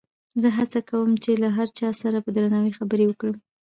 زه هڅه کوم چې له هر چا سره په درناوي خبرې وکړم.